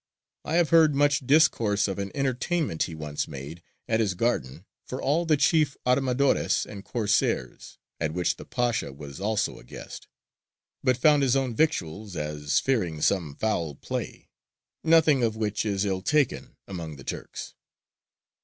I have heard much discourse of an entertainment he once made, at his garden, for all the chief Armadores and Corsairs, at which the Pasha was also a guest, but found his own victuals, as fearing some foul play; nothing of which is ill taken among the Turks.